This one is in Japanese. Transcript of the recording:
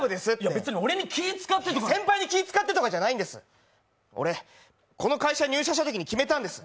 別に俺に気、使ってとかｑ先輩に気を遣ってとかじゃないんです、俺、この会社入社したときに決めたんです。